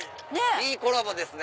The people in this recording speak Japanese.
いいコラボですね。